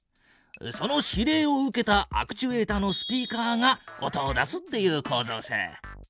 その指令を受けたアクチュエータのスピーカーが音を出すっていうこうぞうさ。